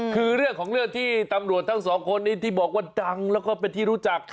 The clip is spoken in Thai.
คือเรื่องของเรื่องที่ตำรวจทั้งสองคนนี้ที่บอกว่าดังแล้วก็เป็นที่รู้จัก